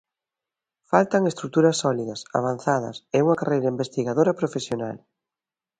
Faltan estruturas sólidas, avanzadas, e unha carreira investigadora profesional.